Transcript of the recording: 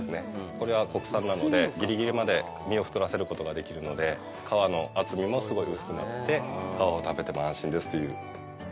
これは国産なのでぎりぎりまで実を太らせることができるので皮の厚みもすごい薄くなって皮も食べても安心ですという。